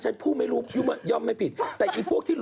มีความศึกครับก่อนทำงานไป